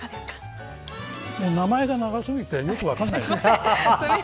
名前が長すぎてよく分からない。